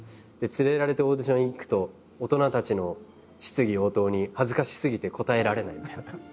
連れられてオーディションへ行くと大人たちの質疑応答に恥ずかしすぎて答えられないみたいな。